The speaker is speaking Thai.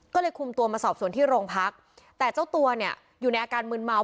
ก็เลยคุมตัวมาสอบส่วนที่โรงพักแต่เจ้าตัวเนี่ยอยู่ในอาการมืนเมา